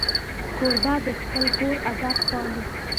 کوربه د خپل کور ادب پالي.